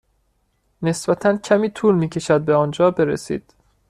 نسبتا کمی طول می کشد به آنجا برسید.